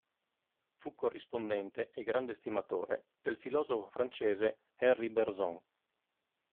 Fu corrispondente e grande estimatore del filosofo francese Henri Bergson.